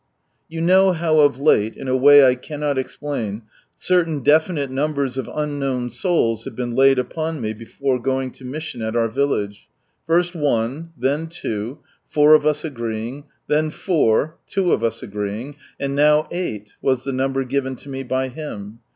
You know how of late, in a way I cannot ex plain, certain definite numbers of unknown souls have been laid upon me before going to ission at our village ; first one, then <o (four of us agreeing), then four (two of us agreeing) ; and now eight was the number given to me by Him.